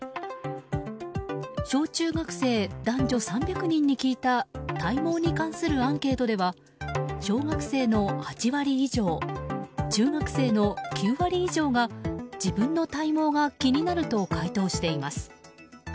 小中学生男女３００人に聞いた体毛に関するアンケートでは小学生の８割以上中学生の９割以上が自分の体毛が気になると回答しています。